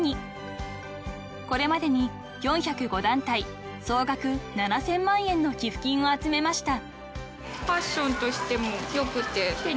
［これまでに４０５団体総額７千万円の寄付金を集めました］